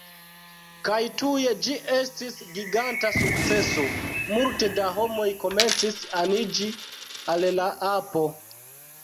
Kaj tuj ĝi estis giganta sukceso! Multe da homoj komencis aniĝi al la apo